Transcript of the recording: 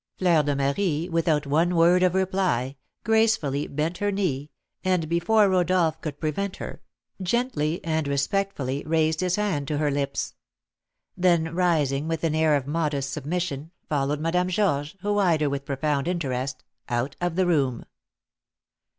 Fleur de Marie, without one word of reply, gracefully bent her knee, and, before Rodolph could prevent her, gently and respectfully raised his hand to her lips; then rising with an air of modest submission, followed Madame Georges, who eyed her with a profound interest, out of the room.